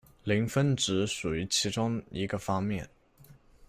磷峰值属于其中一个方面。